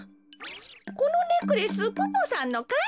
このネックレスポポさんのかい？